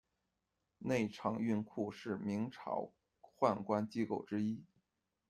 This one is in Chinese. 内承运库，是明朝的宦官机构之一。